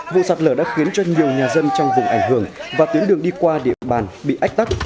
vụ sạt lở đã khiến cho nhiều nhà dân trong vùng ảnh hưởng và tuyến đường đi qua địa bàn bị ách tắc